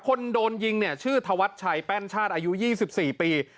คนโดนยิงเนี่ยชื่อธวัชชัยแป้นชาติอายุ๒๔ปี